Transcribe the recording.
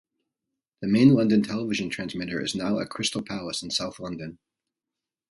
The main London television transmitter is now at Crystal Palace in south London.